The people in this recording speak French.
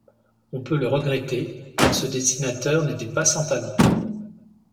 On peut le regretter car ce dessinateur n’était pas sans talent.